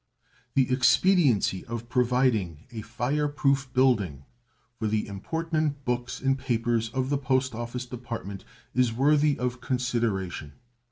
The expediency of providing a fire proof building for the important books and papers of the Post Office Department is worthy of consideration.